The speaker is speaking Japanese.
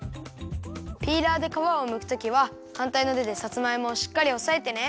ピーラーでかわをむくときははんたいのてでさつまいもをしっかりおさえてね。